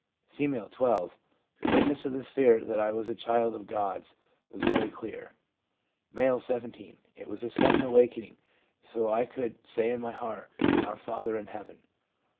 F., 12. 'The witness of the Spirit that I was a child of God's was very clear/ M., 17. ' It was a sudden awakening, so I could say in my heart, "Our father in heaven/" M.